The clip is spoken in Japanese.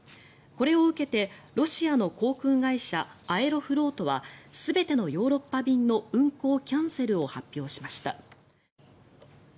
これを受けてロシアの航空会社アエロフロートは全てのヨーロッパ便の運航キャンセルを発表しました。